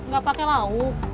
gak pake lauk